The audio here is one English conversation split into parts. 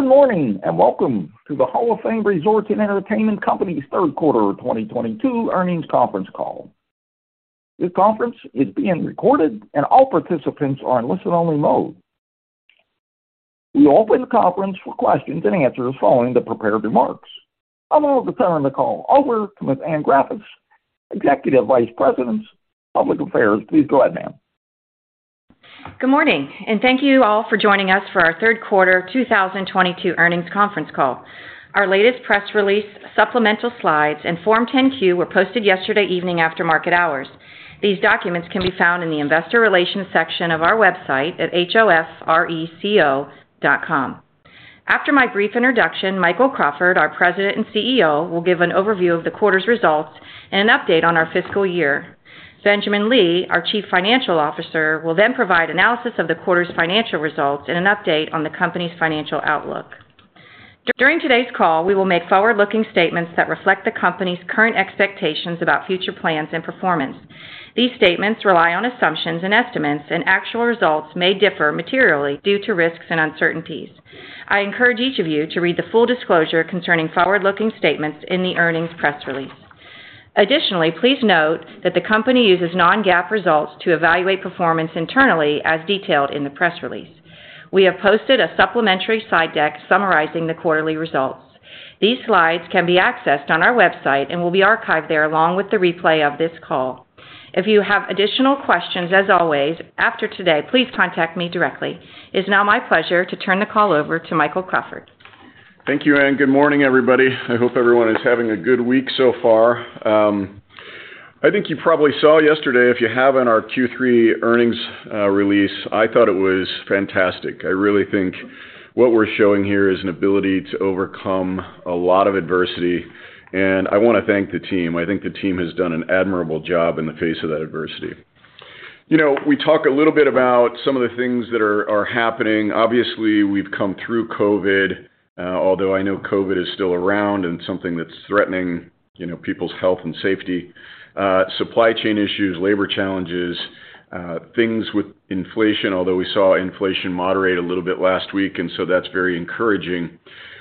Good morning, and welcome to the Hall of Fame Resort & Entertainment Company's third quarter 2022 earnings conference call. This conference is being recorded, and all participants are in listen-only mode. We'll open the conference for questions and answers following the prepared remarks. I'll now turn the call over to Ms. Anne Graffice, Executive Vice President, Public Affairs. Please go ahead, ma'am. Good morning, and thank you all for joining us for our third quarter 2022 earnings conference call. Our latest press release, supplemental slides, and Form 10-Q were posted yesterday evening after market hours. These documents can be found in the Investor Relations section of our website at hofreco.com. After my brief introduction, Michael Crawford, our President and CEO, will give an overview of the quarter's results and an update on our fiscal year. Benjamin Lee, our Chief Financial Officer, will then provide analysis of the quarter's financial results and an update on the company's financial outlook. During today's call, we will make forward-looking statements that reflect the company's current expectations about future plans and performance. These statements rely on assumptions and estimates, and actual results may differ materially due to risks and uncertainties. I encourage each of you to read the full disclosure concerning forward-looking statements in the earnings press release. Additionally, please note that the company uses non-GAAP results to evaluate performance internally, as detailed in the press release. We have posted a supplementary slide deck summarizing the quarterly results. These slides can be accessed on our website and will be archived there along with the replay of this call. If you have additional questions, as always, after today, please contact me directly. It's now my pleasure to turn the call over to Michael Crawford. Thank you, Anne. Good morning, everybody. I hope everyone is having a good week so far. I think you probably saw yesterday if you haven't our Q3 earnings release. I thought it was fantastic. I really think what we're showing here is an ability to overcome a lot of adversity, and I wanna thank the team. I think the team has done an admirable job in the face of that adversity. You know, we talk a little bit about some of the things that are happening. Obviously, we've come through COVID, although I know COVID is still around and something that's threatening, you know, people's health and safety. Supply chain issues, labor challenges, things with inflation, although we saw inflation moderate a little bit last week, and so that's very encouraging.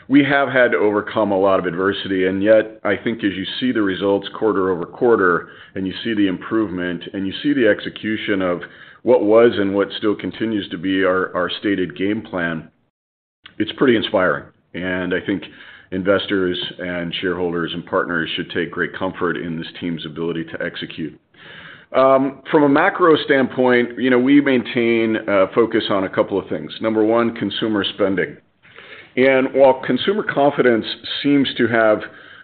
We have had to overcome a lot of adversity, and yet I think as you see the results quarter-over-quarter and you see the improvement and you see the execution of what was and what still continues to be our stated game plan, it's pretty inspiring. I think investors and shareholders and partners should take great comfort in this team's ability to execute. From a macro standpoint, you know, we maintain focus on a couple of things. Number one, consumer spending. While consumer confidence seems to have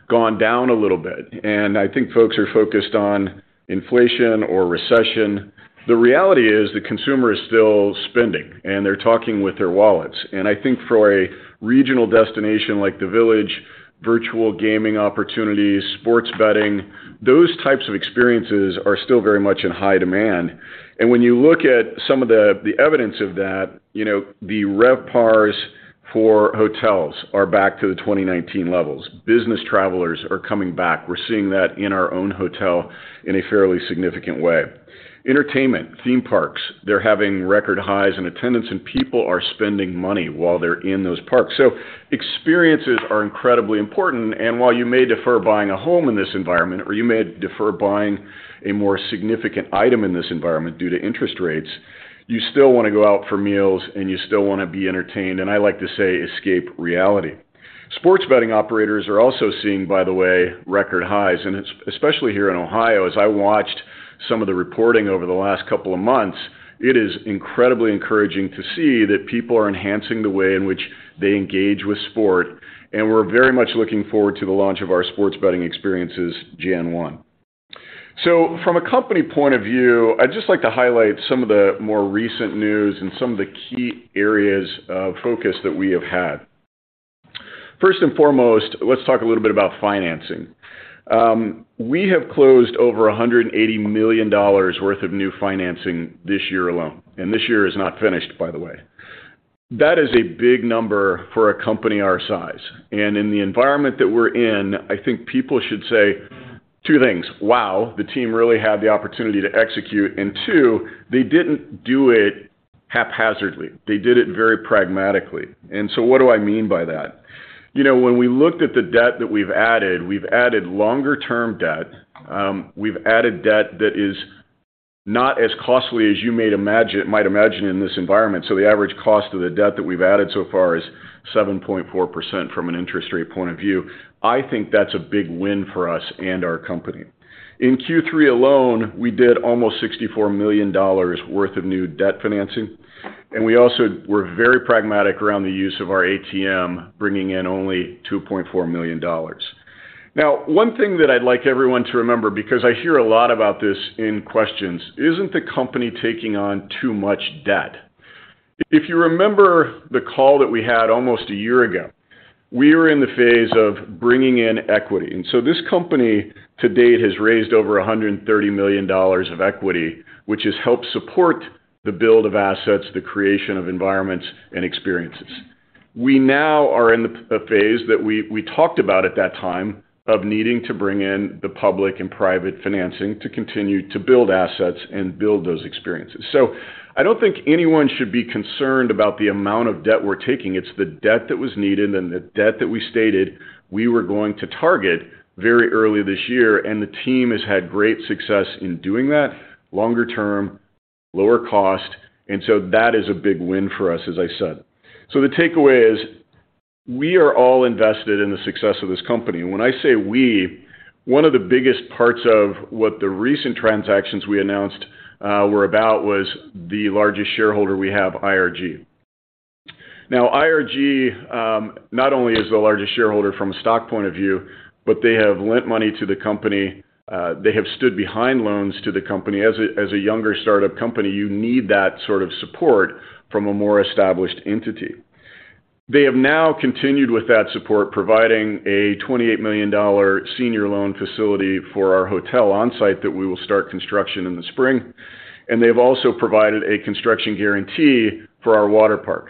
gone down a little bit, and I think folks are focused on inflation or recession, the reality is that consumer is still spending, and they're talking with their wallets. I think for a regional destination like the Village, virtual gaming opportunities, sports betting, those types of experiences are still very much in high demand. When you look at some of the evidence of that, you know, the RevPARs for hotels are back to the 2019 levels. Business travelers are coming back. We're seeing that in our own hotel in a fairly significant way. Entertainment, theme parks, they're having record highs in attendance, and people are spending money while they're in those parks. Experiences are incredibly important, and while you may defer buying a home in this environment or you may defer buying a more significant item in this environment due to interest rates, you still wanna go out for meals, and you still wanna be entertained, and I like to say escape reality. Sports betting operators are also seeing, by the way, record highs, and it's especially here in Ohio. As I watched some of the reporting over the last couple of months, it is incredibly encouraging to see that people are enhancing the way in which they engage with sport, and we're very much looking forward to the launch of our sports betting experiences January 1. From a company point of view, I'd just like to highlight some of the more recent news and some of the key areas of focus that we have had. First and foremost, let's talk a little bit about financing. We have closed over $180 million worth of new financing this year alone, and this year is not finished, by the way. That is a big number for a company our size. In the environment that we're in, I think people should say two things. Wow, the team really had the opportunity to execute. Two, they didn't do it haphazardly. They did it very pragmatically. What do I mean by that? You know, when we looked at the debt that we've added, we've added longer-term debt. We've added debt that is not as costly as you might imagine in this environment. The average cost of the debt that we've added so far is 7.4% from an interest rate point of view. I think that's a big win for us and our company. In Q3 alone, we did almost $64 million worth of new debt financing, and we also were very pragmatic around the use of our ATM, bringing in only $2.4 million. Now one thing that I'd like everyone to remember, because I hear a lot about this in questions. Isn't the company taking on too much debt? If you remember the call that we had almost a year ago, we were in the phase of bringing in equity. This company to date has raised over $130 million of equity, which has helped support the build of assets, the creation of environments and experiences. We now are in a phase that we talked about at that time of needing to bring in the public and private financing to continue to build assets and build those experiences. I don't think anyone should be concerned about the amount of debt we're taking. It's the debt that was needed and the debt that we stated we were going to target very early this year, and the team has had great success in doing that longer term, lower cost, and so that is a big win for us, as I said. The takeaway is we are all invested in the success of this company. When I say we, one of the biggest parts of what the recent transactions we announced were about was the largest shareholder we have, IRG. Now, IRG not only is the largest shareholder from a stock point of view, but they have lent money to the company, they have stood behind loans to the company. As a younger startup company, you need that sort of support from a more established entity. They have now continued with that support, providing a $28 million senior loan facility for our hotel on site that we will start construction in the spring. They've also provided a construction guarantee for our Waterpark.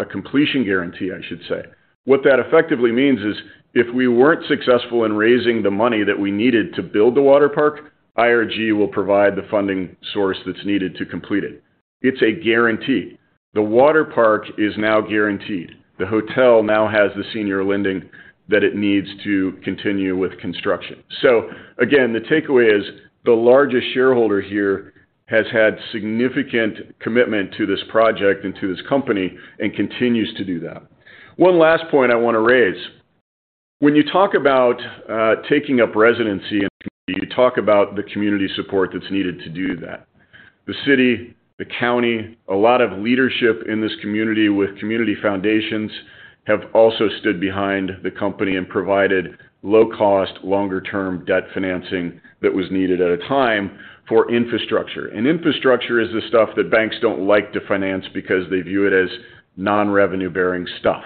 A completion guarantee, I should say. What that effectively means is if we weren't successful in raising the money that we needed to build the Waterpark, IRG will provide the funding source that's needed to complete it. It's a guarantee. The Waterpark is now guaranteed. The hotel now has the senior lending that it needs to continue with construction. Again, the takeaway is the largest shareholder here has had significant commitment to this project and to this company and continues to do that. One last point I wanna raise. When you talk about taking up residency in a community, you talk about the community support that's needed to do that. The city, the county, a lot of leadership in this community with community foundations have also stood behind the company and provided low cost, longer-term debt financing that was needed at a time for infrastructure. Infrastructure is the stuff that banks don't like to finance because they view it as non-revenue bearing stuff.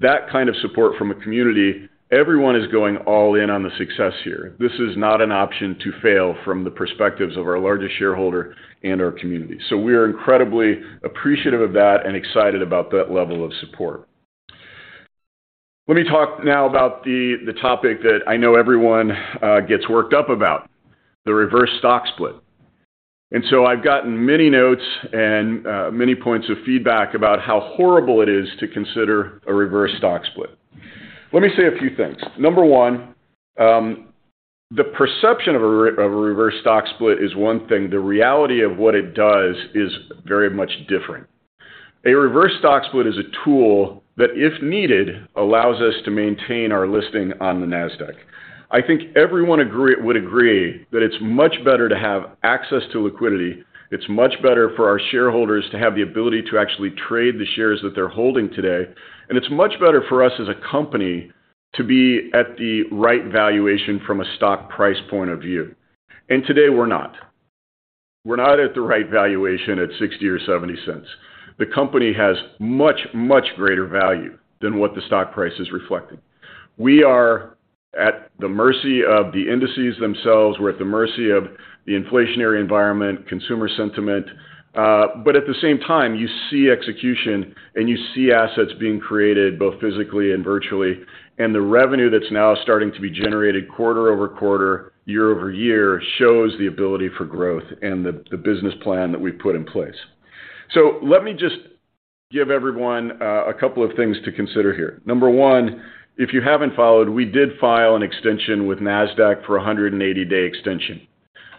That kind of support from a community, everyone is going all in on the success here. This is not an option to fail from the perspectives of our largest shareholder and our community. We are incredibly appreciative of that and excited about that level of support. Let me talk now about the topic that I know everyone gets worked up about, the reverse stock split. I've gotten many notes and many points of feedback about how horrible it is to consider a reverse stock split. Let me say a few things. Number one, the perception of a reverse stock split is one thing. The reality of what it does is very much different. A reverse stock split is a tool that, if needed, allows us to maintain our listing on the Nasdaq. I think everyone would agree that it's much better to have access to liquidity. It's much better for our shareholders to have the ability to actually trade the shares that they're holding today, and it's much better for us as a company to be at the right valuation from a stock price point of view. Today, we're not. We're not at the right valuation at $0.60 or $0.70. The company has much, much greater value than what the stock price is reflecting. We are at the mercy of the indices themselves. We're at the mercy of the inflationary environment, consumer sentiment, but at the same time, you see execution, and you see assets being created both physically and virtually. The revenue that's now starting to be generated quarter-over-quarter, year-over-year shows the ability for growth and the business plan that we've put in place. Let me just give everyone a couple of things to consider here. Number one, if you haven't followed, we did file an extension with Nasdaq for a 180-day extension,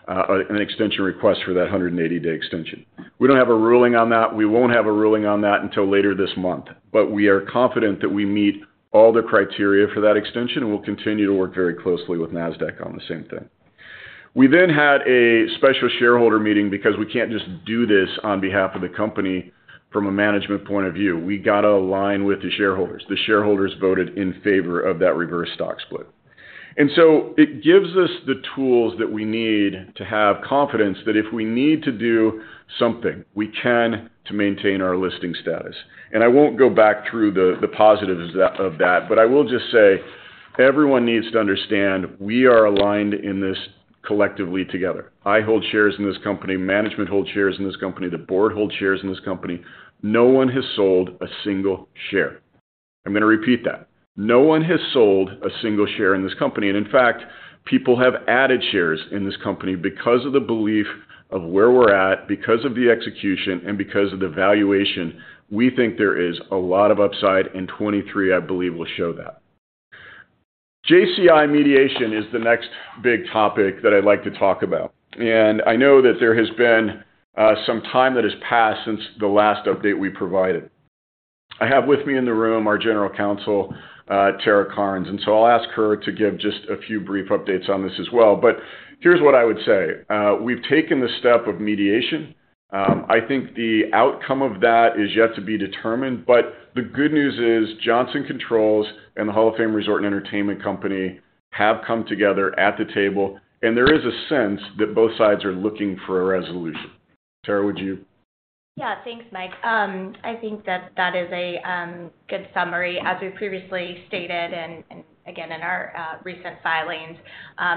an extension request for that 180-day extension. We don't have a ruling on that. We won't have a ruling on that until later this month. We are confident that we meet all the criteria for that extension, and we'll continue to work very closely with Nasdaq on the same thing. We had a special shareholder meeting because we can't just do this on behalf of the company from a management point of view. We got to align with the shareholders. The shareholders voted in favor of that reverse stock split. It gives us the tools that we need to have confidence that if we need to do something, we can to maintain our listing status. I won't go back through the positives of that, but I will just say everyone needs to understand we are aligned in this collectively together. I hold shares in this company, management hold shares in this company, the board hold shares in this company. No one has sold a single share. I'm gonna repeat that. No one has sold a single share in this company. In fact, people have added shares in this company because of the belief of where we're at, because of the execution, and because of the valuation. We think there is a lot of upside, and 2023, I believe, will show that. JCI mediation is the next big topic that I'd like to talk about. I know that there has been some time that has passed since the last update we provided. I have with me in the room our General Counsel, Tara Charnes, and I'll ask her to give just a few brief updates on this as well. Here's what I would say. We've taken the step of mediation. I think the outcome of that is yet to be determined, but the good news is Johnson Controls and the Hall of Fame Resort & Entertainment Company have come together at the table, and there is a sense that both sides are looking for a resolution. Tara, would you? Yeah. Thanks, Michael. I think that is a good summary. As we've previously stated, and again in our recent filings,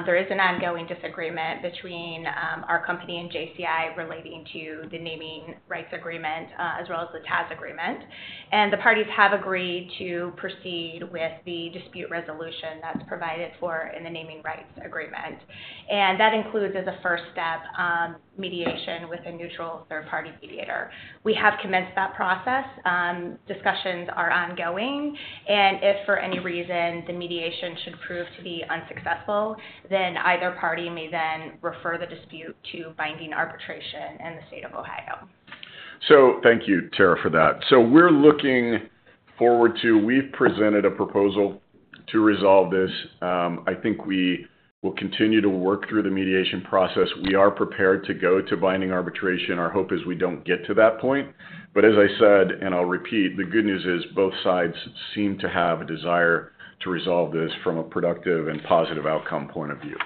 there is an ongoing disagreement between our company and JCI relating to the naming rights agreement, as well as the TAS agreement. The parties have agreed to proceed with the dispute resolution that's provided for in the naming rights agreement. That includes, as a first step, mediation with a neutral third party mediator. We have commenced that process. Discussions are ongoing, and if for any reason the mediation should prove to be unsuccessful, then either party may then refer the dispute to binding arbitration in the State of Ohio. Thank you, Tara, for that. We've presented a proposal to resolve this. I think we will continue to work through the mediation process. We are prepared to go to binding arbitration. Our hope is we don't get to that point. As I said, and I'll repeat, the good news is both sides seem to have a desire to resolve this from a productive and positive outcome point of view.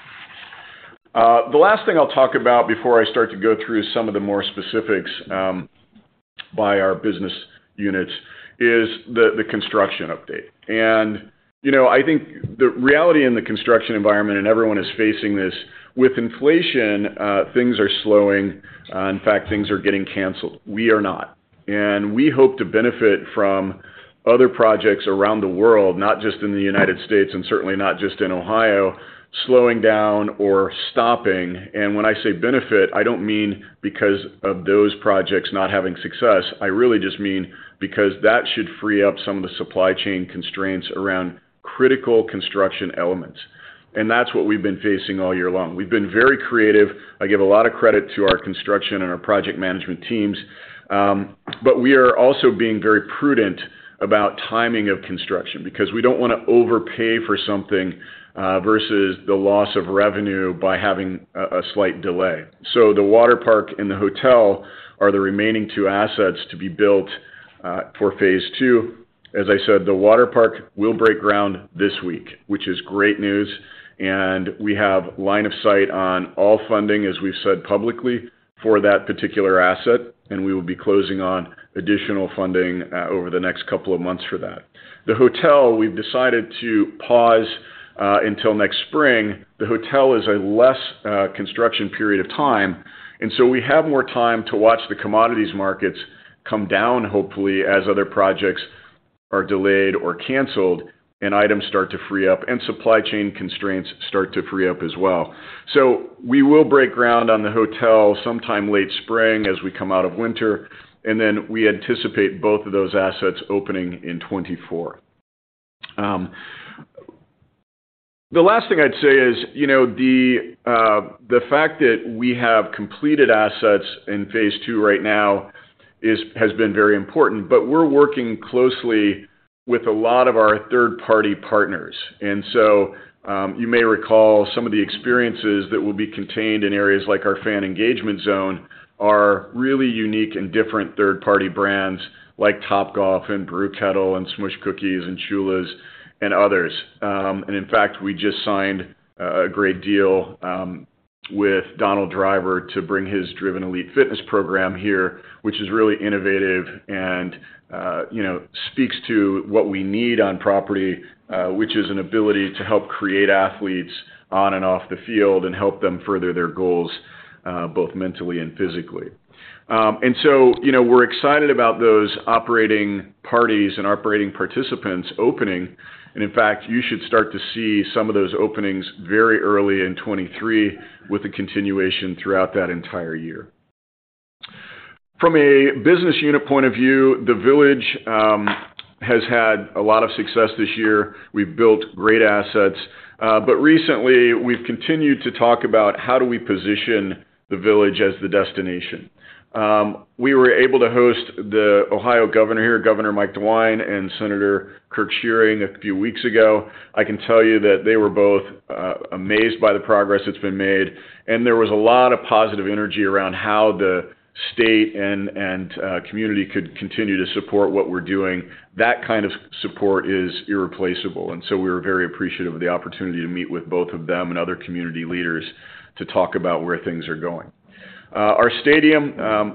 The last thing I'll talk about before I start to go through some of the more specifics by our business units is the construction update. You know, I think the reality in the construction environment, and everyone is facing this, with inflation, things are slowing. In fact, things are getting canceled. We are not. We hope to benefit from other projects around the world, not just in the United States, and certainly not just in Ohio, slowing down or stopping. When I say benefit, I don't mean because of those projects not having success. I really just mean because that should free up some of the supply chain constraints around critical construction elements. That's what we've been facing all year long. We've been very creative. I give a lot of credit to our construction and our project management teams. But we are also being very prudent about timing of construction because we don't wanna overpay for something versus the loss of revenue by having a slight delay. The Waterpark and the hotel are the remaining two assets to be built for Phase II. As I said, the Waterpark will break ground this week, which is great news, and we have line of sight on all funding, as we've said publicly, for that particular asset, and we will be closing on additional funding over the next couple of months for that. The hotel, we've decided to pause until next spring. The hotel is a less construction period of time, and so we have more time to watch the commodities markets come down, hopefully, as other projects are delayed or canceled and items start to free up and supply chain constraints start to free up as well. We will break ground on the hotel sometime late spring as we come out of winter, and then we anticipate both of those assets opening in 2024. The last thing I'd say is, you know, the fact that we have completed assets in Phase II right now has been very important, but we're working closely with a lot of our third-party partners. You may recall some of the experiences that will be contained in areas like our Fan Engagement Zone are really unique and different third-party brands like Topgolf and Brew Kettle and SMOOSH Cookies and Shula's and others. In fact, we just signed a great deal with Donald Driver to bring his Driven Elite Fitness program here, which is really innovative and, you know, speaks to what we need on property, which is an ability to help create athletes on and off the field and help them further their goals both mentally and physically. You know, we're excited about those operating parties and operating participants opening, and in fact, you should start to see some of those openings very early in 2023 with the continuation throughout that entire year. From a business unit point of view, the Village has had a lot of success this year. We've built great assets, but recently, we've continued to talk about how do we position the Village as the destination. We were able to host the Ohio Governor here, Governor Michael DeWine, and Senator Kirk Schuring a few weeks ago. I can tell you that they were both amazed by the progress that's been made, and there was a lot of positive energy around how the state and community could continue to support what we're doing. That kind of support is irreplaceable, and so we were very appreciative of the opportunity to meet with both of them and other community leaders to talk about where things are going. Our stadium,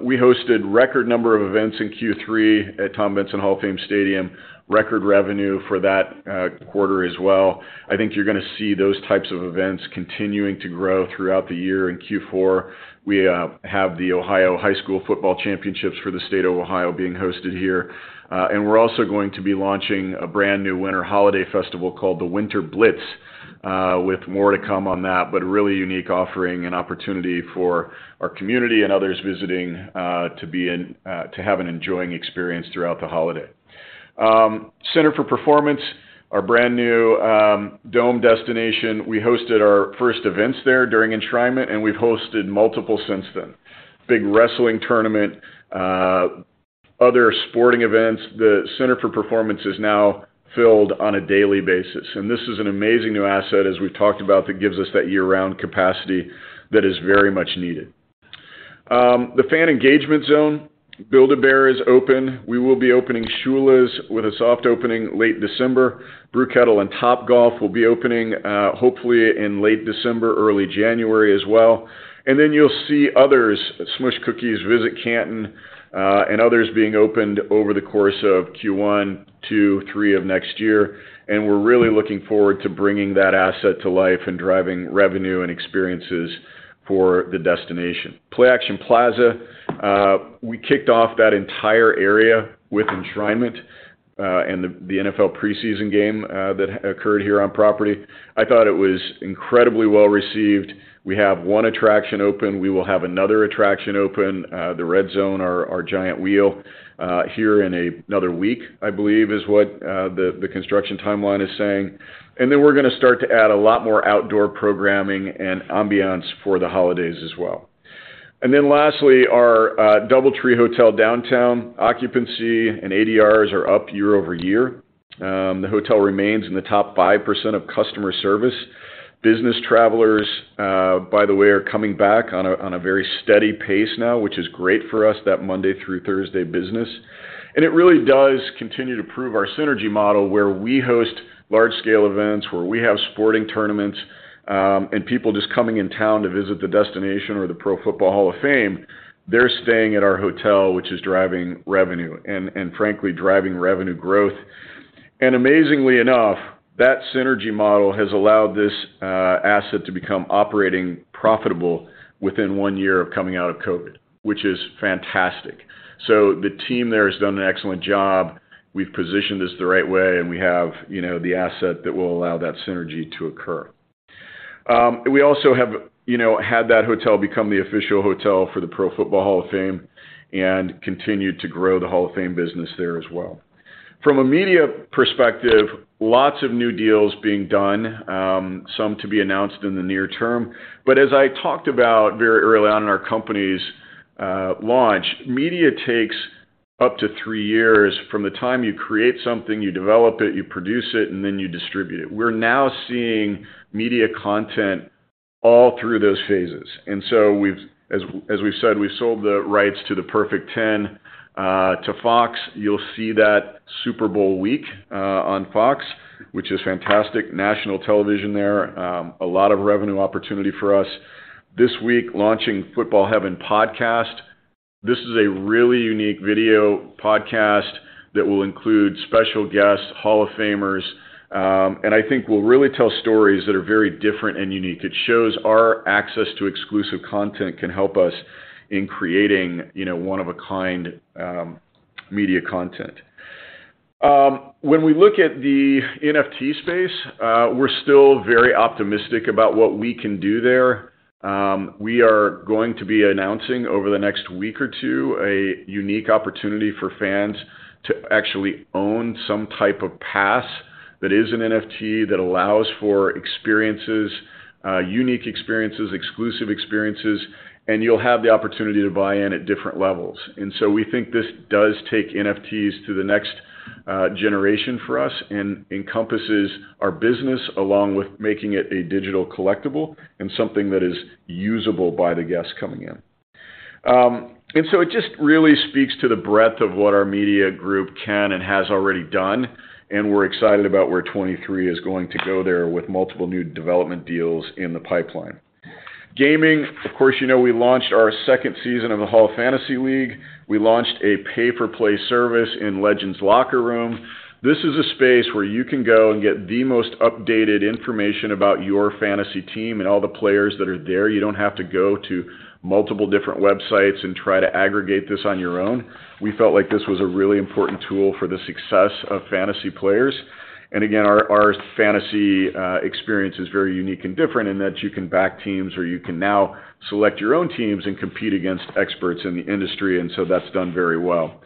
we hosted record number of events in Q3 at Tom Benson Hall of Fame Stadium, record revenue for that quarter as well. I think you're gonna see those types of events continuing to grow throughout the year. In Q4, we have the Ohio High School Football Championships for the state of Ohio being hosted here. We're also going to be launching a brand-new winter holiday festival called the Winter Blitz, with more to come on that, but a really unique offering and opportunity for our community and others visiting, to have an enjoyable experience throughout the holiday. Center for Performance, our brand-new, dome destination, we hosted our first events there during Enshrinement, and we've hosted multiple since then. Big wrestling tournament, other sporting events. The Center for Performance is now filled on a daily basis, and this is an amazing new asset as we've talked about that gives us that year-round capacity that is very much needed. The Fan Engagement Zone, Build-A-Bear is open. We will be opening Shula's with a soft opening late December. Brew Kettle and Topgolf will be opening, hopefully in late December, early January as well. You'll see others, SMOOSH Cookies, Visit Canton, and others being opened over the course of Q1, Q2, Q3 of next year, and we're really looking forward to bringing that asset to life and driving revenue and experiences for the destination. Play Action Plaza, we kicked off that entire area with enshrinement, and the NFL preseason game that occurred here on property. I thought it was incredibly well received. We have one attraction open. We will have another attraction open, the Red Zone, our giant wheel, here in another week, I believe, is what the construction timeline is saying. Then we're gonna start to add a lot more outdoor programming and ambiance for the holidays as well. Then lastly, our DoubleTree Hotel, Downtown, occupancy and ADRs are up year-over-year. The hotel remains in the top 5% of customer service. Business travelers, by the way, are coming back on a very steady pace now, which is great for us, that Monday through Thursday business. It really does continue to prove our synergy model, where we host large-scale events, where we have sporting tournaments, and people just coming in town to visit the destination or the Pro Football Hall of Fame, they're staying at our hotel, which is driving revenue and frankly driving revenue growth. Amazingly enough, that synergy model has allowed this asset to become operationally profitable within one year of coming out of COVID, which is fantastic. The team there has done an excellent job. We've positioned this the right way, and we have, you know, the asset that will allow that synergy to occur. We also have, you know, had that hotel become the official hotel for the Pro Football Hall of Fame and continued to grow the Hall of Fame business there as well. From a media perspective, lots of new deals being done, some to be announced in the near term. As I talked about very early on in our company's launch, media takes up to three years from the time you create something, you develop it, you produce it, and then you distribute it. We're now seeing media content all through those phases. As we've said, we've sold the rights to The Perfect 10 to Fox. You'll see that Super Bowl week on Fox, which is fantastic. National television there. A lot of revenue opportunity for us. This week, launching Football Heaven Podcast. This is a really unique video podcast that will include special guests, Hall of Famers, and I think will really tell stories that are very different and unique. It shows our access to exclusive content can help us in creating, you know, one-of-a-kind, media content. When we look at the NFT space, we're still very optimistic about what we can do there. We are going to be announcing over the next week or two a unique opportunity for fans to actually own some type of pass that is an NFT that allows for experiences, unique experiences, exclusive experiences, and you'll have the opportunity to buy in at different levels. We think this does take NFTs to the next generation for us and encompasses our business along with making it a digital collectible and something that is usable by the guests coming in. It just really speaks to the breadth of what our media group can and has already done, and we're excited about where 2023 is going to go there with multiple new development deals in the pipeline. Gaming, of course you know we launched our second season of the Hall of Fantasy League. We launched a pay-per-play service in Legends Locker Room. This is a space where you can go and get the most updated information about your fantasy team and all the players that are there. You don't have to go to multiple different websites and try to aggregate this on your own. We felt like this was a really important tool for the success of fantasy players. Again, our fantasy experience is very unique and different in that you can back teams or you can now select your own teams and compete against experts in the industry, and so that's done very well.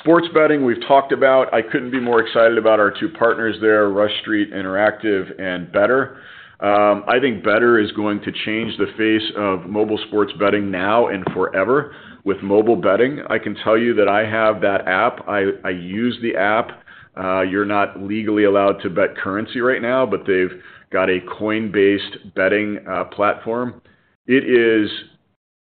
Sports betting, we've talked about. I couldn't be more excited about our two partners there, Rush Street Interactive and Betr. I think Betr is going to change the face of mobile sports betting now and forever with mobile betting. I can tell you that I have that app. I use the app. You're not legally allowed to bet currency right now, but they've got a coin-based betting platform. It is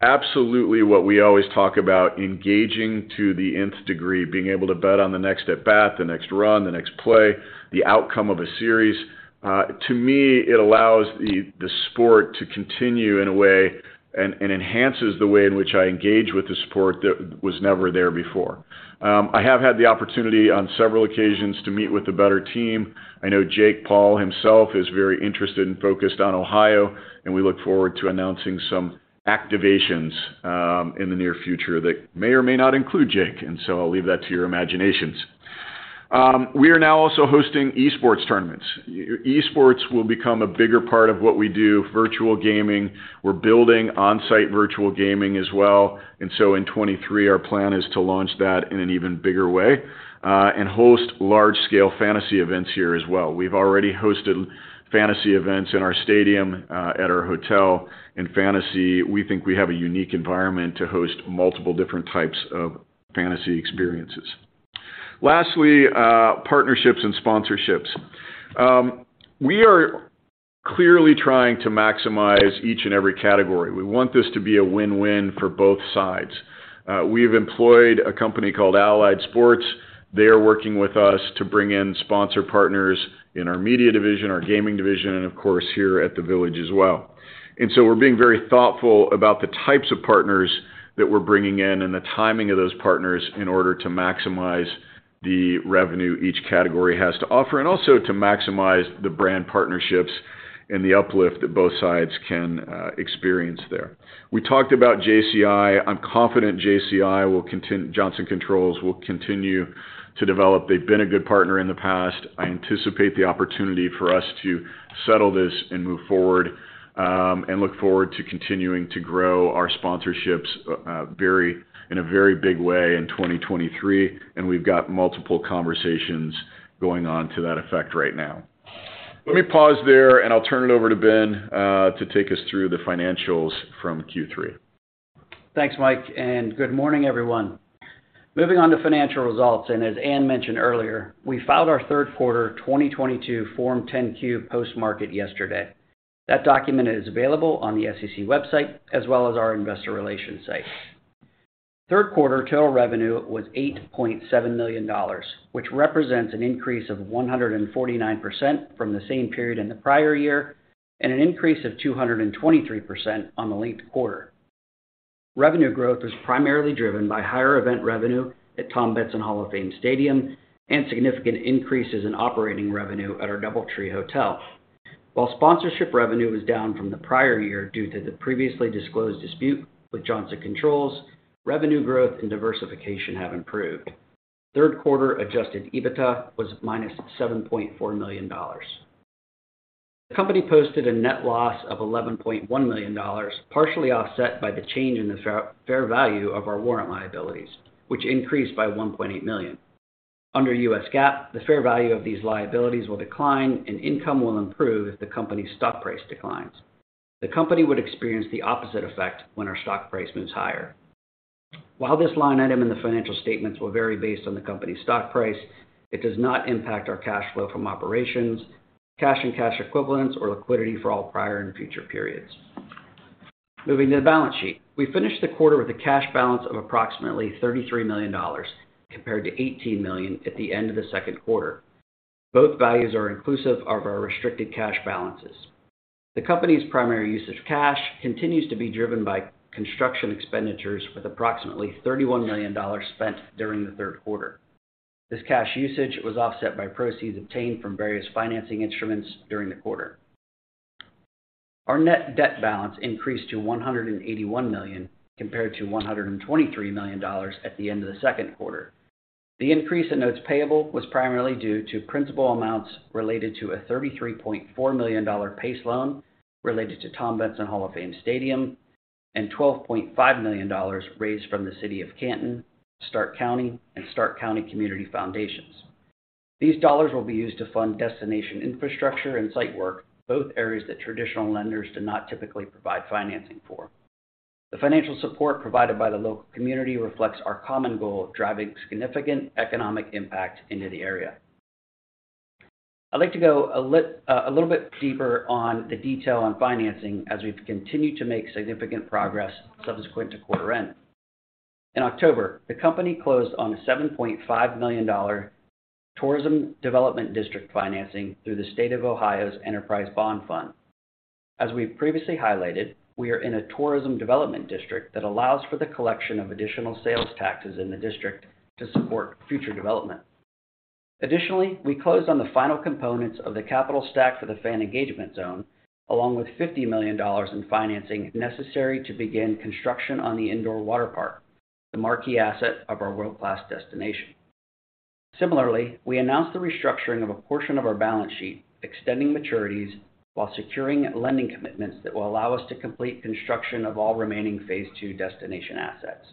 absolutely what we always talk about, engaging to the nth degree, being able to bet on the next at bat, the next run, the next play, the outcome of a series. To me, it allows the sport to continue in a way and enhances the way in which I engage with the sport that was never there before. I have had the opportunity on several occasions to meet with the Betr team. I know Jake Paul himself is very interested and focused on Ohio, and we look forward to announcing some activations in the near future that may or may not include Jake, and so I'll leave that to your imaginations. We are now also hosting esports tournaments. Esports will become a bigger part of what we do, virtual gaming. We're building on-site virtual gaming as well. In 2023, our plan is to launch that in an even bigger way and host large-scale fantasy events here as well. We've already hosted fantasy events in our stadium at our hotel. In fantasy, we think we have a unique environment to host multiple different types of fantasy experiences. Lastly, partnerships and sponsorships. We are clearly trying to maximize each and every category. We want this to be a win-win for both sides. We've employed a company called Allied Sports. They are working with us to bring in sponsor partners in our media division, our gaming division, and of course, here at the Village as well. We're being very thoughtful about the types of partners that we're bringing in and the timing of those partners in order to maximize the revenue each category has to offer, and also to maximize the brand partnerships and the uplift that both sides can experience there. We talked about JCI. I'm confident Johnson Controls will continue to develop. They've been a good partner in the past. I anticipate the opportunity for us to settle this and move forward, and look forward to continuing to grow our sponsorships, in a very big way in 2023, and we've got multiple conversations going on to that effect right now. Let me pause there and I'll turn it over to Benjamin, to take us through the financials from Q3. Thanks, Michael, and good morning, everyone. Moving on to financial results. As Anne mentioned earlier, we filed our third quarter 2022 Form 10-Q post-market yesterday. That document is available on the SEC website as well as our investor relations site. Third quarter total revenue was $8.7 million, which represents an increase of 149% from the same period in the prior year and an increase of 223% on the linked quarter. Revenue growth was primarily driven by higher event revenue at Tom Benson Hall of Fame Stadium and significant increases in operating revenue at our DoubleTree Hotel. While sponsorship revenue was down from the prior year due to the previously disclosed dispute with Johnson Controls, revenue growth and diversification have improved. Third quarter Adjusted EBITDA was -$7.4 million. The company posted a net loss of $11.1 million, partially offset by the change in the fair value of our warrant liabilities, which increased by $1.8 million. Under U.S. GAAP, the fair value of these liabilities will decline and income will improve if the company's stock price declines. The company would experience the opposite effect when our stock price moves higher. While this line item in the financial statements will vary based on the company's stock price, it does not impact our cash flow from operations, cash & cash equivalents, or liquidity for all prior and future periods. Moving to the balance sheet. We finished the quarter with a cash balance of approximately $33 million, compared to $18 million at the end of the second quarter. Both values are inclusive of our restricted cash balances. The company's primary use of cash continues to be driven by construction expenditures with approximately $31 million spent during the third quarter. This cash usage was offset by proceeds obtained from various financing instruments during the quarter. Our net debt balance increased to $181 million compared to $123 million at the end of the second quarter. The increase in notes payable was primarily due to principal amounts related to a $33.4 million C-PACE loan related to Tom Benson Hall of Fame Stadium and $12.5 million raised from the City of Canton, Stark County, and Stark County Community Foundation. These dollars will be used to fund destination infrastructure and site work, both areas that traditional lenders do not typically provide financing for. The financial support provided by the local community reflects our common goal of driving significant economic impact into the area. I'd like to go a little bit deeper on the detail on financing as we've continued to make significant progress subsequent to quarter end. In October, the company closed on a $7.5 million Tourism Development District financing through the Ohio Enterprise Bond Fund. As we've previously highlighted, we are in a Tourism Development District that allows for the collection of additional sales taxes in the district to support future development. Additionally, we closed on the final components of the capital stack for the Fan Engagement Zone, along with $50 million in financing necessary to begin construction on the indoor waterpark, the marquee asset of our world-class destination. Similarly, we announced the restructuring of a portion of our balance sheet, extending maturities while securing lending commitments that will allow us to complete construction of all remaining Phase II destination assets.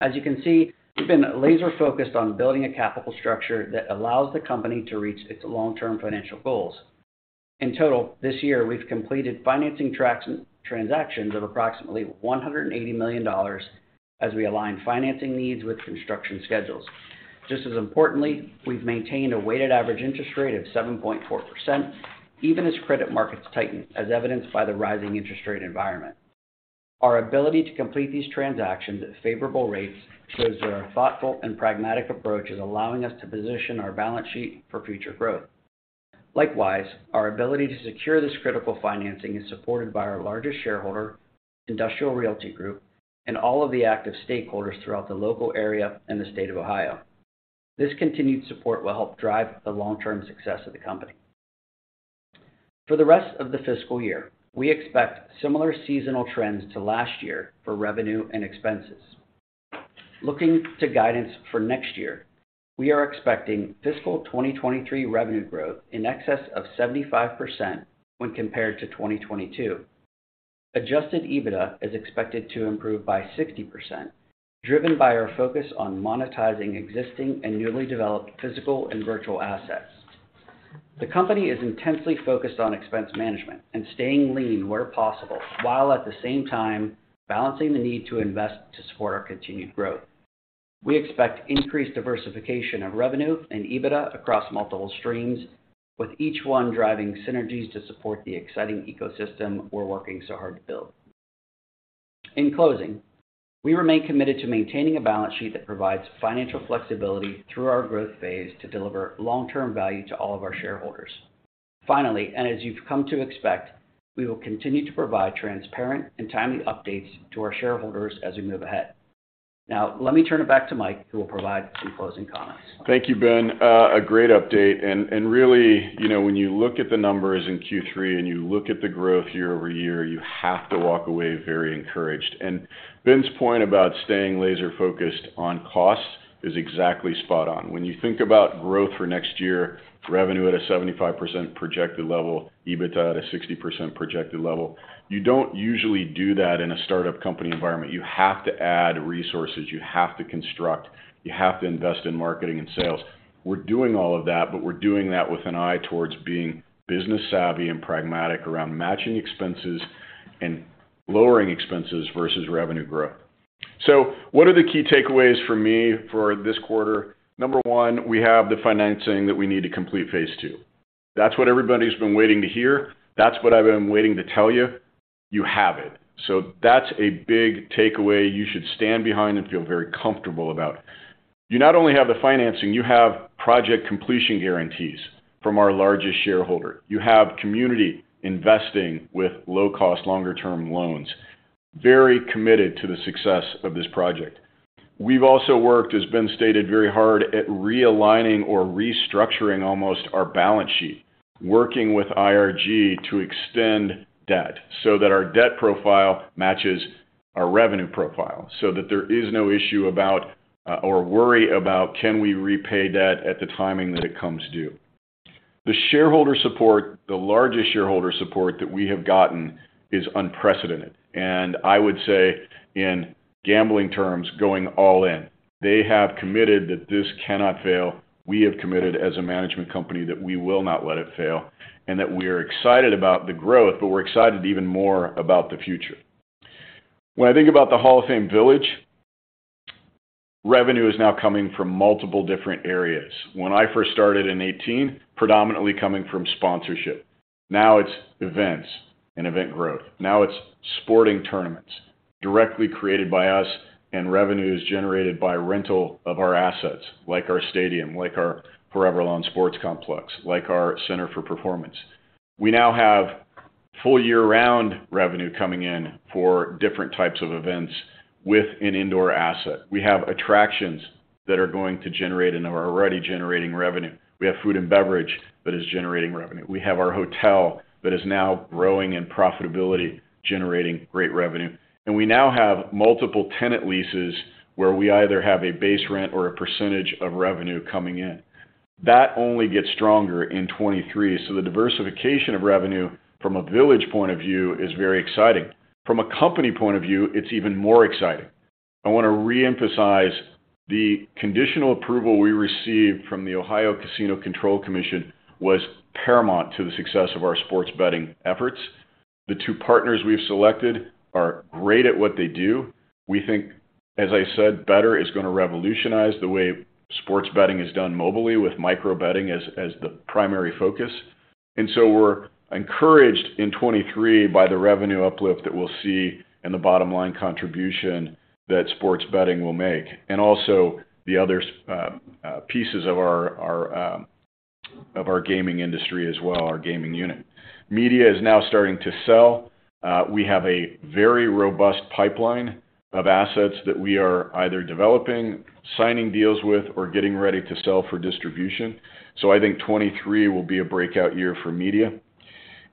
As you can see, we've been laser-focused on building a capital structure that allows the company to reach its long-term financial goals. In total, this year, we've completed financing transactions of approximately $180 million as we align financing needs with construction schedules. Just as importantly, we've maintained a weighted average interest rate of 7.4%, even as credit markets tighten, as evidenced by the rising interest rate environment. Our ability to complete these transactions at favorable rates shows that our thoughtful and pragmatic approach is allowing us to position our balance sheet for future growth. Likewise, our ability to secure this critical financing is supported by our largest shareholder, Industrial Realty Group, and all of the active stakeholders throughout the local area and the state of Ohio. This continued support will help drive the long-term success of the company. For the rest of the fiscal year, we expect similar seasonal trends to last year for revenue and expenses. Looking to guidance for next year, we are expecting fiscal 2023 revenue growth in excess of 75% when compared to 2022. Adjusted EBITDA is expected to improve by 60%, driven by our focus on monetizing existing and newly developed physical and virtual assets. The company is intensely focused on expense management and staying lean where possible, while at the same time balancing the need to invest to support our continued growth. We expect increased diversification of revenue and EBITDA across multiple streams, with each one driving synergies to support the exciting ecosystem we're working so hard to build. In closing, we remain committed to maintaining a balance sheet that provides financial flexibility through our growth phase to deliver long-term value to all of our shareholders. Finally, and as you've come to expect, we will continue to provide transparent and timely updates to our shareholders as we move ahead. Now, let me turn it back to Michael, who will provide some closing comments. Thank you, Benjamin. A great update. Really, you know, when you look at the numbers in Q3 and you look at the growth year-over-year, you have to walk away very encouraged. Benjamin's point about staying laser-focused on costs is exactly spot on. When you think about growth for next year, revenue at a 75% projected level, EBITDA at a 60% projected level, you don't usually do that in a startup company environment. You have to add resources, you have to construct, you have to invest in marketing and sales. We're doing all of that, but we're doing that with an eye towards being business savvy and pragmatic around matching expenses and lowering expenses versus revenue growth. What are the key takeaways for me for this quarter? Number one, we have the financing that we need to complete Phase II. That's what everybody's been waiting to hear. That's what I've been waiting to tell you. You have it. That's a big takeaway you should stand behind and feel very comfortable about. You not only have the financing, you have project completion guarantees from our largest shareholder. You have community investing with low-cost longer-term loans, very committed to the success of this project. We've also worked, as Benjamin stated, very hard at realigning or restructuring almost our balance sheet, working with IRG to extend debt so that our debt profile matches our revenue profile, so that there is no issue about, or worry about can we repay debt at the timing that it comes due. The shareholder support, the largest shareholder support that we have gotten is unprecedented, and I would say in gambling terms, going all in. They have committed that this cannot fail. We have committed as a management company that we will not let it fail, and that we are excited about the growth, but we're excited even more about the future. When I think about the Hall of Fame Village, revenue is now coming from multiple different areas. When I first started in 2018, predominantly coming from sponsorship. Now it's events and event growth. Now it's sporting tournaments directly created by us and revenues generated by rental of our assets like our stadium, like our ForeverLawn Sports Complex, like our Center for Performance. We now have full year-round revenue coming in for different types of events with an indoor asset. We have attractions that are going to generate and are already generating revenue. We have food and beverage that is generating revenue. We have our hotel that is now growing in profitability, generating great revenue. We now have multiple tenant leases where we either have a base rent or a percentage of revenue coming in. That only gets stronger in 2023. The diversification of revenue from a Village point of view is very exciting. From a company point of view, it's even more exciting. I want to reemphasize the conditional approval we received from the Ohio Casino Control Commission was paramount to the success of our sports betting efforts. The two partners we've selected are great at what they do. We think, as I said, Betr is gonna revolutionize the way sports betting is done mobile with micro betting as the primary focus. We're encouraged in 2023 by the revenue uplift that we'll see and the bottom line contribution that sports betting will make. The other pieces of our gaming industry as well, our gaming unit. Media is now starting to sell. We have a very robust pipeline of assets that we are either developing, signing deals with, or getting ready to sell for distribution. I think 2023 will be a breakout year for media.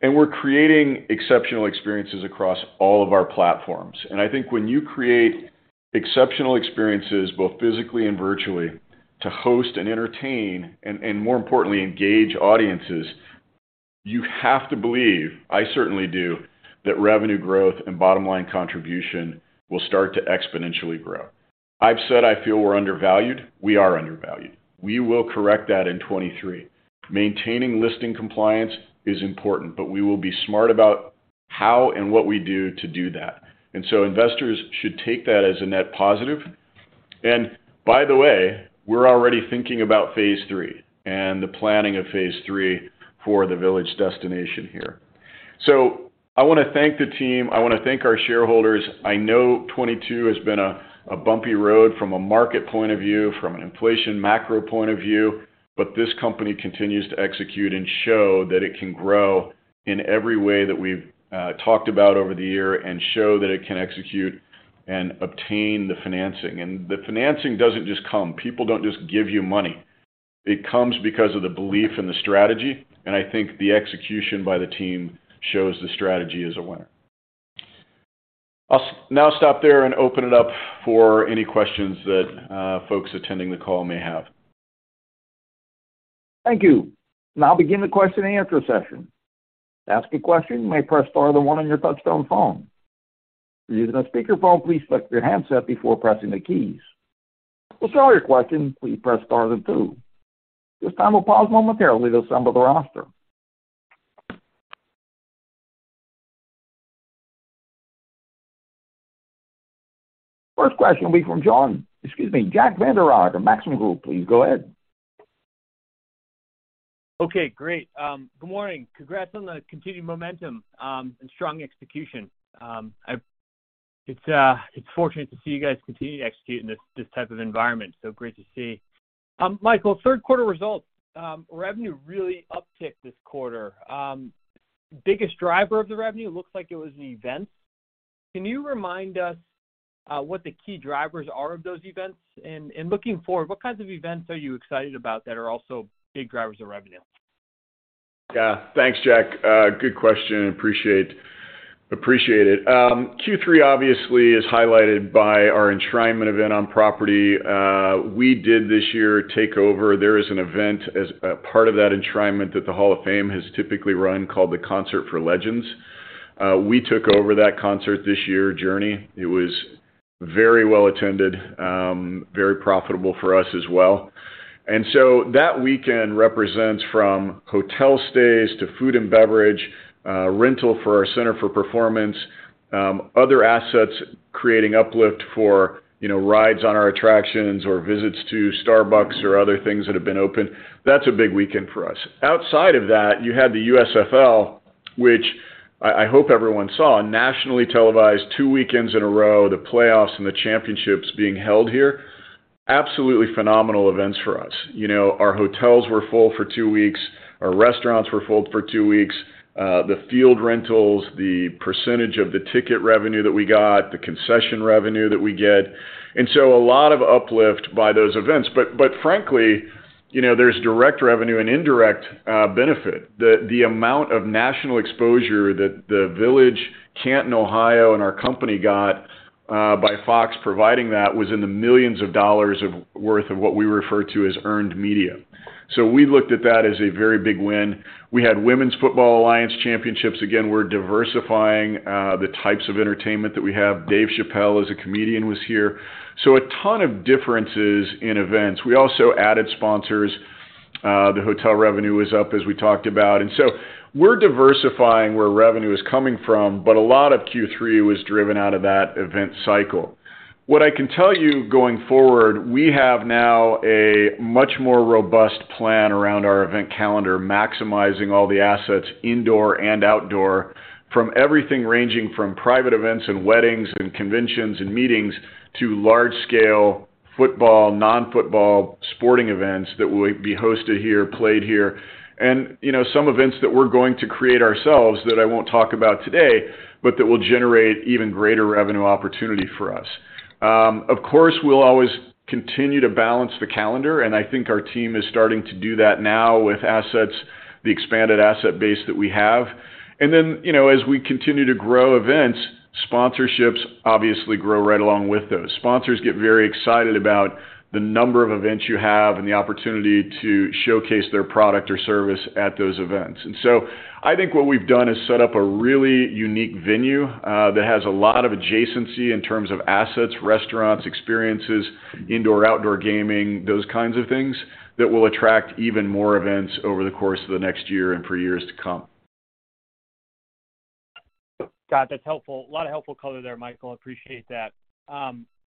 We're creating exceptional experiences across all of our platforms. I think when you create exceptional experiences, both physically and virtually, to host and entertain and more importantly engage audiences, you have to believe, I certainly do, that revenue growth and bottom line contribution will start to exponentially grow. I've said I feel we're undervalued. We are undervalued. We will correct that in 2023. Maintaining listing compliance is important, but we will be smart about how and what we do to do that. Investors should take that as a net positive. By the way, we're already thinking about Phase III and the planning of Phase III for the Village destination here. I wanna thank the team. I wanna thank our shareholders. I know 2022 has been a bumpy road from a market point of view, from an inflation macro point of view, but this company continues to execute and show that it can grow in every way that we've talked about over the year and show that it can execute and obtain the financing. The financing doesn't just come. People don't just give you money. It comes because of the belief in the strategy, and I think the execution by the team shows the strategy is a winner. I'll now stop there and open it up for any questions that folks attending the call may have. Thank you. Now begin the question and answer session. To ask a question, you may press star then one on your touchtone phone. If you're using a speakerphone, please select your handset before pressing the keys. To withdraw your question, please press star then two. This time we'll pause momentarily to assemble the roster. First question will be from Jack Vander Aarde of Maxim Group. Please go ahead. Okay. Great. Good morning. Congrats on the continued momentum, and strong execution. It's fortunate to see you guys continue to execute in this type of environment. So great to see. Michael, third quarter results, revenue really upticked this quarter. Biggest driver of the revenue looks like it was the events. Can you remind us what the key drivers are of those events? Looking forward, what kinds of events are you excited about that are also big drivers of revenue? Yeah. Thanks, Jack. Good question. Appreciate it. Q3 obviously is highlighted by our enshrinement event on property. We did this year take over. There is an event as a part of that enshrinement that the Hall of Fame has typically run called the Concert for Legends. We took over that concert this year, Journey. It was very well attended, very profitable for us as well. That weekend represents from hotel stays to food and beverage, rental for our Center for Performance, other assets creating uplift for, you know, rides on our attractions or visits to Starbucks or other things that have been open. That's a big weekend for us. Outside of that, you had the USFL, which I hope everyone saw, nationally televised two weekends in a row, the playoffs and the championships being held here. Absolutely phenomenal events for us. You know, our hotels were full for two weeks. Our restaurants were full for two weeks. The field rentals, the percentage of the ticket revenue that we got, the concession revenue that we get, and so a lot of uplift by those events. Frankly, you know, there's direct revenue and indirect benefit. The amount of national exposure that the Hall of Fame Village, Canton, Ohio, and our company got by Fox providing that was in the millions of dollars worth of what we refer to as earned media. We looked at that as a very big win. We had Women's Football Alliance Championships. Again, we're diversifying the types of entertainment that we have. Dave Chappelle as a comedian was here, so a ton of differences in events. We also added sponsors. The hotel revenue was up, as we talked about, and so we're diversifying where revenue is coming from, but a lot of Q3 was driven out of that event cycle. What I can tell you going forward, we have now a much more robust plan around our event calendar, maximizing all the assets indoor and outdoor from everything ranging from private events and weddings and conventions and meetings to large scale football, non-football sporting events that will be hosted here, played here, and, you know, some events that we're going to create ourselves that I won't talk about today, but that will generate even greater revenue opportunity for us. Of course, we'll always continue to balance the calendar, and I think our team is starting to do that now with assets, the expanded asset base that we have. You know, as we continue to grow events, sponsorships obviously grow right along with those. Sponsors get very excited about the number of events you have and the opportunity to showcase their product or service at those events. I think what we've done is set up a really unique venue that has a lot of adjacency in terms of assets, restaurants, experiences, indoor, outdoor gaming, those kinds of things that will attract even more events over the course of the next year and for years to come. Got it. That's helpful. A lot of helpful color there, Michael. Appreciate that.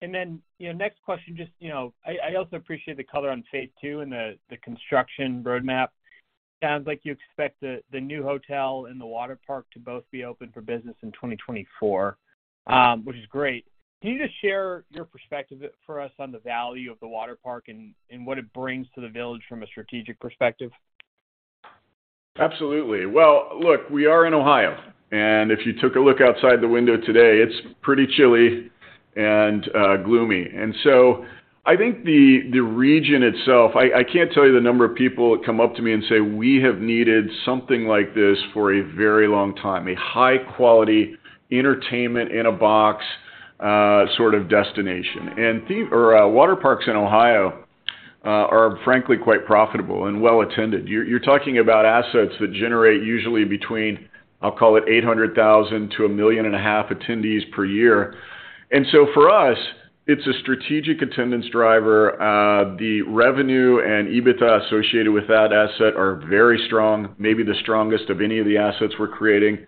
You know, next question, just, you know, I also appreciate the color on Phase II and the construction roadmap. Sounds like you expect the new hotel and the waterpark to both be open for business in 2024? Which is great. Can you just share your perspective for us on the value of the waterpark and what it brings to the Village from a strategic perspective? Absolutely. Well, look, we are in Ohio, and if you took a look outside the window today, it's pretty chilly and gloomy. I think the region itself, I can't tell you the number of people that come up to me and say, "We have needed something like this for a very long time, a high quality entertainment in a box sort of destination." Theme or Waterparks in Ohio are frankly quite profitable and well-attended. You're talking about assets that generate usually between, I'll call it 800,000-1.5 million attendees per year. For us, it's a strategic attendance driver. The revenue and EBITDA associated with that asset are very strong, maybe the strongest of any of the assets we're creating.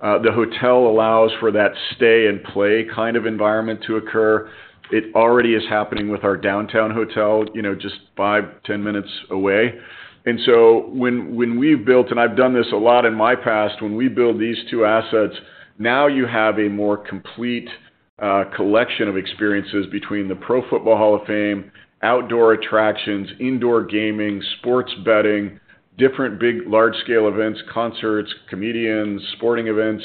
The hotel allows for that stay and play kind of environment to occur. It already is happening with our downtown hotel, you know, just 5, 10 minutes away. When we've built, and I've done this a lot in my past, when we build these two assets, now you have a more complete collection of experiences between the Pro Football Hall of Fame, outdoor attractions, indoor gaming, sports betting, different big large scale events, concerts, comedians, sporting events,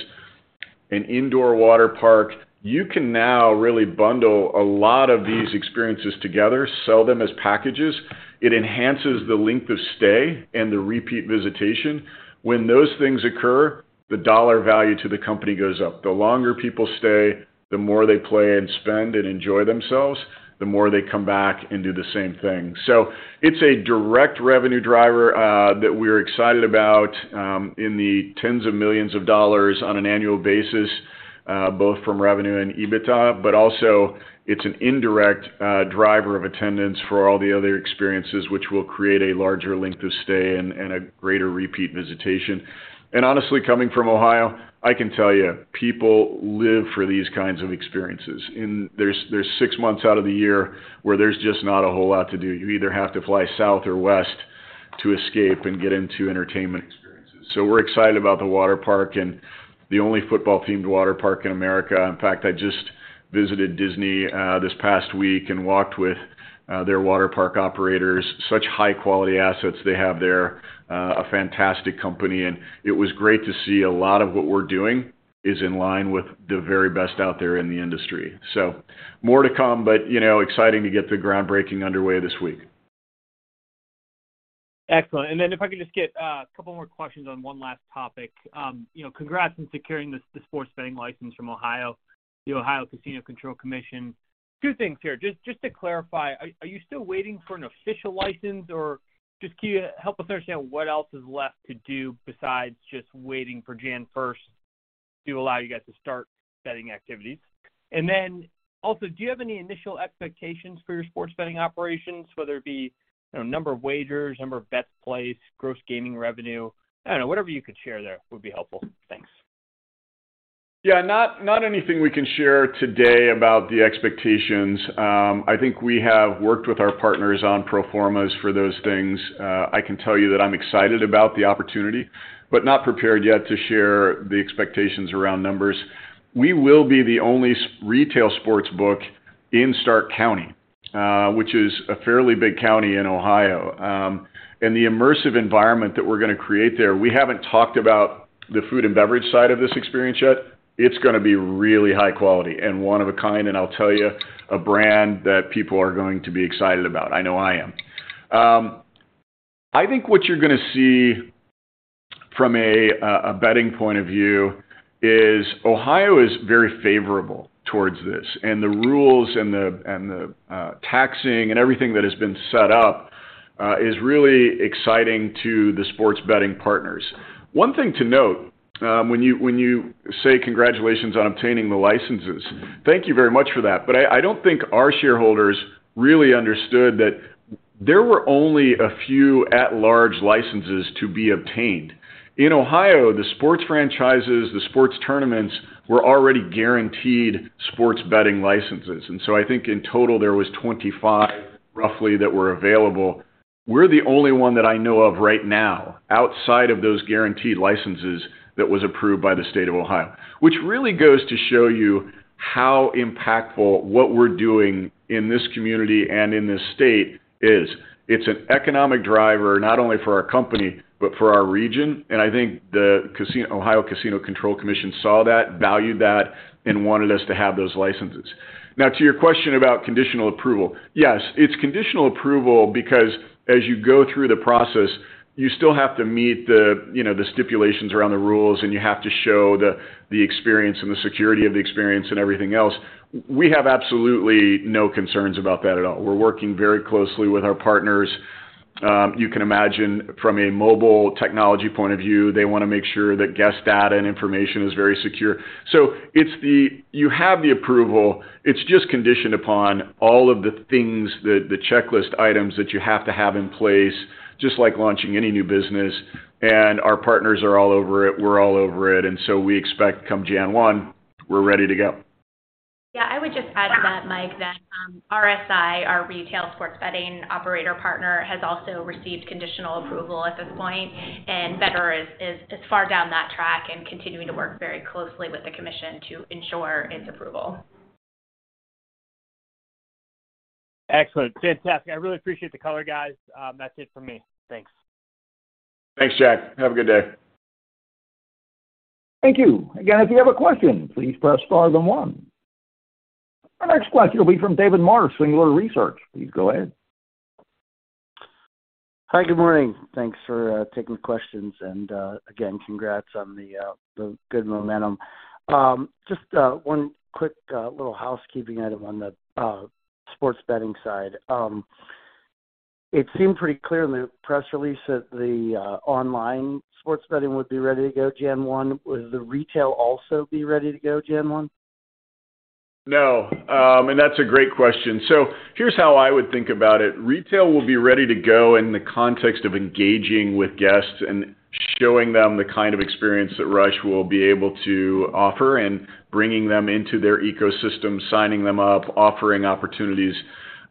an indoor waterpark. You can now really bundle a lot of these experiences together, sell them as packages. It enhances the length of stay and the repeat visitation. When those things occur, the dollar value to the company goes up. The longer people stay, the more they play and spend and enjoy themselves, the more they come back and do the same thing. It's a direct revenue driver that we're excited about in the $10s millions on an annual basis both from revenue and EBITDA. Also it's an indirect driver of attendance for all the other experiences, which will create a larger length of stay and a greater repeat visitation. Honestly, coming from Ohio, I can tell you, people live for these kinds of experiences, and there's six months out of the year where there's just not a whole lot to do. You either have to fly south or west to escape and get into entertainment experiences. We're excited about the waterpark and the only football-themed waterpark in America. In fact, I just visited Disney this past week and walked with their waterpark operators. Such high-quality assets they have there, a fantastic company, and it was great to see a lot of what we're doing is in line with the very best out there in the industry. More to come, but, you know, exciting to get the groundbreaking underway this week. Excellent. If I could just get a couple more questions on one last topic. You know, congrats on securing the sports betting license from Ohio, the Ohio Casino Control Commission. Two things here. Just to clarify, are you still waiting for an official license or just can you help us understand what else is left to do besides just waiting for January 1st to allow you guys to start betting activities? Also, do you have any initial expectations for your sports betting operations, whether it be, you know, number of wagers, number of bets placed, gross gaming revenue? I don't know. Whatever you could share there would be helpful. Thanks. Yeah. Not anything we can share today about the expectations. I think we have worked with our partners on pro formas for those things. I can tell you that I'm excited about the opportunity, but not prepared yet to share the expectations around numbers. We will be the only retail sports book in Stark County, which is a fairly big county in Ohio. The immersive environment that we're gonna create there, we haven't talked about the food and beverage side of this experience yet. It's gonna be really high quality and one of a kind, and I'll tell you, a brand that people are going to be excited about. I know I am. I think what you're gonna see from a betting point of view is Ohio is very favorable towards this. The rules and the taxing and everything that has been set up is really exciting to the sports betting partners. One thing to note, when you say congratulations on obtaining the licenses, thank you very much for that, but I don't think our shareholders really understood that there were only a few at large licenses to be obtained. In Ohio, the sports franchises, the sports tournaments were already guaranteed sports betting licenses, and so I think in total there was roughly 25 that were available. We're the only one that I know of right now outside of those guaranteed licenses that was approved by the state of Ohio, which really goes to show you how impactful what we're doing in this community and in this state is. It's an economic driver not only for our company, but for our region, and I think the casino, Ohio Casino Control Commission saw that, valued that, and wanted us to have those licenses. Now to your question about conditional approval. Yes, it's conditional approval because as you go through the process you still have to meet the, you know, the stipulations around the rules, and you have to show the experience and the security of the experience and everything else. We have absolutely no concerns about that at all. We're working very closely with our partners. You can imagine from a mobile technology point of view, they wanna make sure that guest data and information is very secure. You have the approval, it's just conditioned upon all of the things that the checklist items that you have to have in place, just like launching any new business, and our partners are all over it. We're all over it, and so we expect come January 1, we're ready to go. Yeah. I would just add to that, Michael, that RSI, our retail sports betting operator partner, has also received conditional approval at this point, and Betr is far down that track and continuing to work very closely with the commission to ensure its approval. Excellent. Fantastic. I really appreciate the color, guys. That's it for me. Thanks. Thanks, Jack. Have a good day. Thank you. Again, if you have a question, please press star then one. Our next question will be from David Marsh from Singular Research. Please go ahead. Hi. Good morning. Thanks for taking the questions and again, congrats on the good momentum. Just one quick little housekeeping item on the sports betting side. It seemed pretty clear in the press release that the online sports betting would be ready to go January 1. Would the retail also be ready to go January 1? No. That's a great question. Here's how I would think about it. Retail will be ready to go in the context of engaging with guests and showing them the kind of experience that Rush will be able to offer and bringing them into their ecosystem, signing them up, offering opportunities,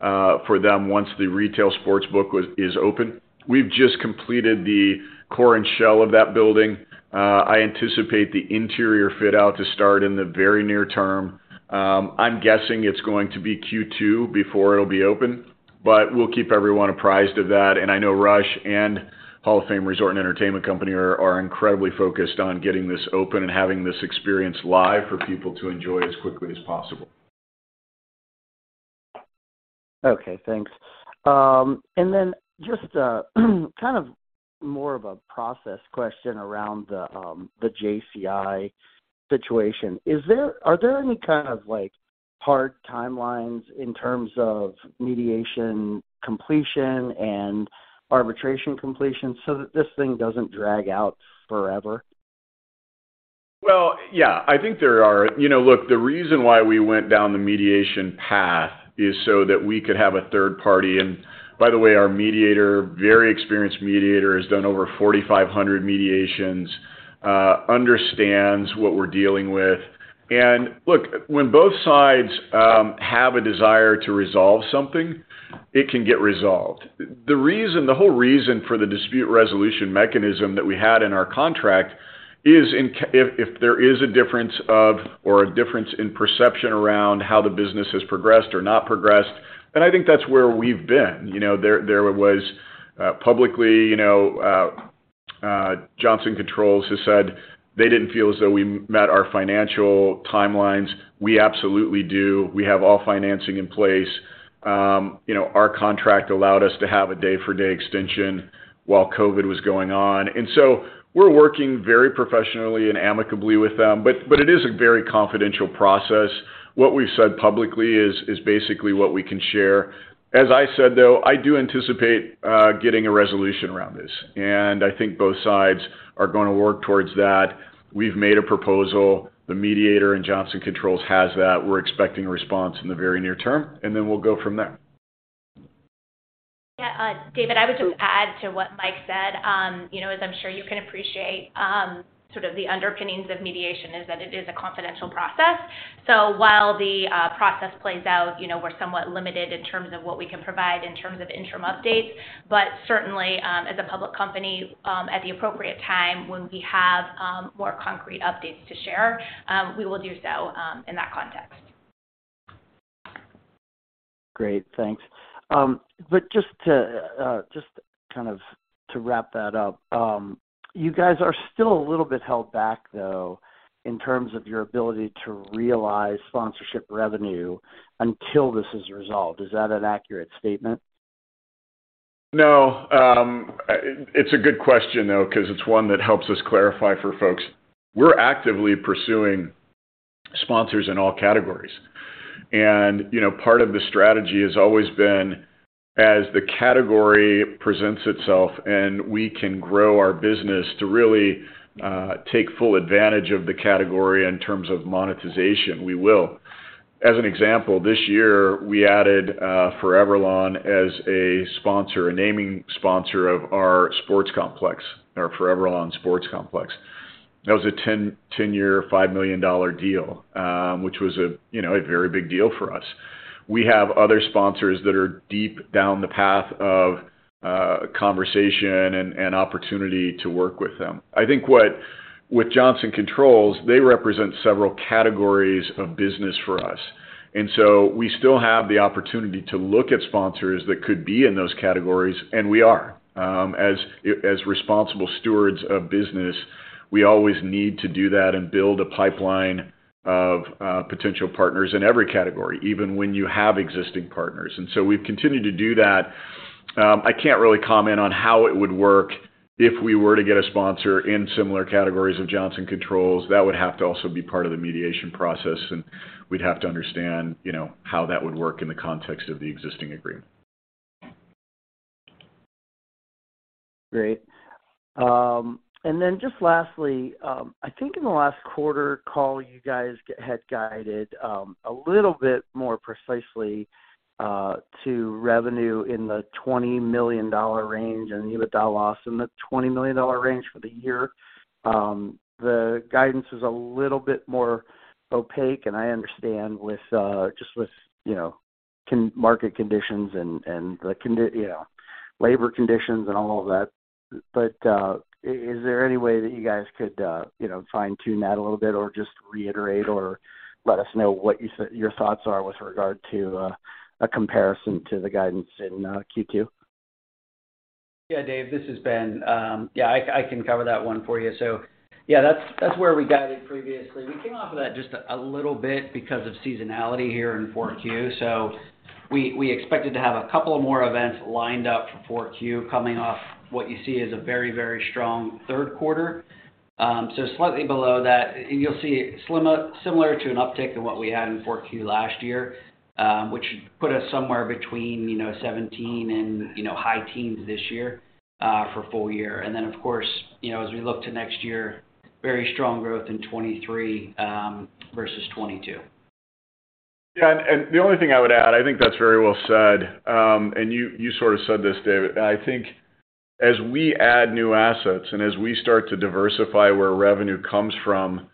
for them once the retail sports book is open. We've just completed the core and shell of that building. I anticipate the interior fit out to start in the very near term. I'm guessing it's going to be Q2 before it'll be open. We'll keep everyone apprised of that. I know Rush and Hall of Fame Resort & Entertainment Company are incredibly focused on getting this open and having this experience live for people to enjoy as quickly as possible. Okay. Thanks. Just a kind of more of a process question around the JCI situation. Are there any kind of like hard timelines in terms of mediation completion and arbitration completion so that this thing doesn't drag out forever? Well, yeah, I think there are. You know, look, the reason why we went down the mediation path is so that we could have a third party. By the way, our mediator, very experienced mediator, has done over 4,500 mediations, understands what we're dealing with. Look, when both sides have a desire to resolve something, it can get resolved. The whole reason for the dispute resolution mechanism that we had in our contract is if there is a difference of opinion or a difference in perception around how the business has progressed or not progressed, and I think that's where we've been. You know, there was publicly, you know, Johnson Controls has said they didn't feel as though we met our financial timelines. We absolutely do. We have all financing in place. You know, our contract allowed us to have a day-for-day extension while COVID was going on. We're working very professionally and amicably with them. It is a very confidential process. What we've said publicly is basically what we can share. As I said, though, I do anticipate getting a resolution around this, and I think both sides are gonna work towards that. We've made a proposal. The mediator in Johnson Controls has that. We're expecting a response in the very near term, and then we'll go from there. Yeah, David, I would just add to what Michael said. You know, as I'm sure you can appreciate, sort of the underpinnings of mediation is that it is a confidential process. While the process plays out, you know, we're somewhat limited in terms of what we can provide in terms of interim updates. Certainly, as a public company, at the appropriate time when we have more concrete updates to share, we will do so in that context. Great. Thanks. Just to kind of wrap that up, you guys are still a little bit held back, though, in terms of your ability to realize sponsorship revenue until this is resolved. Is that an accurate statement? No. It's a good question, though, 'cause it's one that helps us clarify for folks. We're actively pursuing sponsors in all categories. You know, part of the strategy has always been, as the category presents itself and we can grow our business to really take full advantage of the category in terms of monetization, we will. As an example, this year we added ForeverLawn as a sponsor, a naming sponsor of our sports complex, or ForeverLawn Sports Complex. That was a 10-year, $5 million deal, which was a, you know, a very big deal for us. We have other sponsors that are deep down the path of conversation and opportunity to work with them. I think with Johnson Controls, they represent several categories of business for us. We still have the opportunity to look at sponsors that could be in those categories, and we are. As responsible stewards of business, we always need to do that and build a pipeline of potential partners in every category, even when you have existing partners. We've continued to do that. I can't really comment on how it would work if we were to get a sponsor in similar categories of Johnson Controls. That would have to also be part of the mediation process, and we'd have to understand, you know, how that would work in the context of the existing agreement. Great. Just lastly, I think in the last quarter call, you guys had guided a little bit more precisely to revenue in the $20 million range and EBITDA loss in the $20 million range for the year. The guidance is a little bit more opaque, and I understand with just you know, market conditions and the you know, labor conditions and all of that. Is there any way that you guys could you know, fine-tune that a little bit or just reiterate or let us know what your thoughts are with regard to a comparison to the guidance in Q2? Yeah, David, this is Benjamin. Yeah, I can cover that one for you. Yeah, that's where we guided previously. We came off of that just a little bit because of seasonality here in 4Q. We expected to have a couple of more events lined up for 4Q coming off what you see as a very, very strong third quarter. Slightly below that. You'll see similar to an uptick in what we had in 4Q last year, which put us somewhere between, you know, 17 and, you know, high teens this year, for full year. Then of course, you know, as we look to next year, very strong growth in 2023 versus 2022. Yeah. The only thing I would add, I think that's very well said. You sort of said this, David. I think as we add new assets and as we start to diversify where revenue comes from,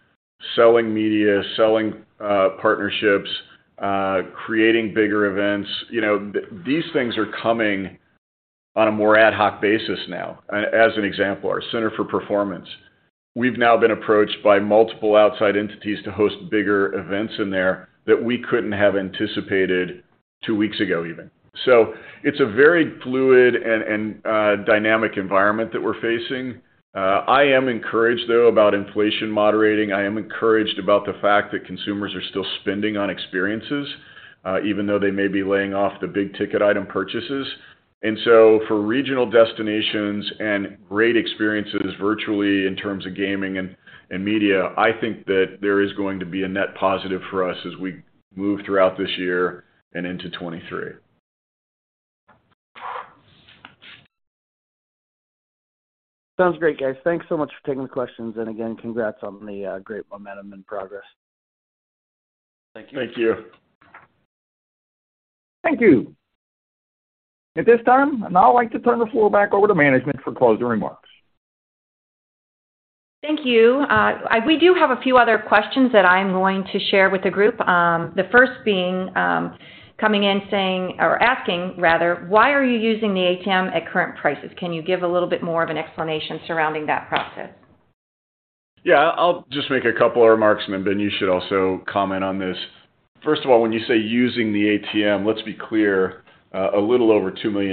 selling media, selling partnerships, creating bigger events, you know, these things are coming on a more ad hoc basis now. As an example, our Center for Performance. We've now been approached by multiple outside entities to host bigger events in there that we couldn't have anticipated two weeks ago even. It's a very fluid and dynamic environment that we're facing. I am encouraged, though, about inflation moderating. I am encouraged about the fact that consumers are still spending on experiences, even though they may be laying off the big ticket item purchases. For regional destinations and great experiences virtually in terms of gaming and media, I think that there is going to be a net positive for us as we move throughout this year and into 2023. Sounds great, guys. Thanks so much for taking the questions. Again, congrats on the great momentum and progress. Thank you. Thank you. Thank you. At this time, I'd now like to turn the floor back over to management for closing remarks. Thank you. We do have a few other questions that I'm going to share with the group. The first being, coming in saying or asking rather, why are you using the ATM at current prices? Can you give a little bit more of an explanation surrounding that process? Yeah. I'll just make a couple of remarks, and then Benjamin, you should also comment on this. First of all, when you say using the ATM, let's be clear, a little over $2 million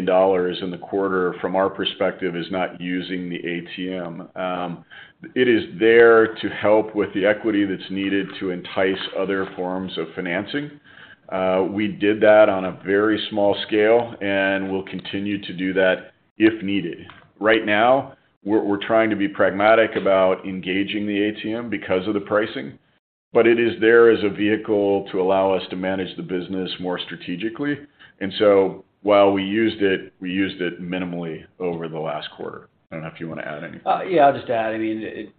in the quarter from our perspective is not using the ATM. It is there to help with the equity that's needed to entice other forms of financing. We did that on a very small scale, and we'll continue to do that if needed. Right now, we're trying to be pragmatic about engaging the ATM because of the pricing, but it is there as a vehicle to allow us to manage the business more strategically. While we used it, we used it minimally over the last quarter. I don't know if you wanna add anything. Yeah, I'll just add. I mean, it.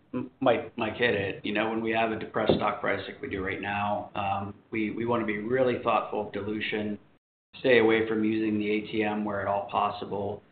Michael hit it. You know, when we have a depressed stock price like we do right now, we wanna be really thoughtful of dilution, stay away from using the ATM where at all possible.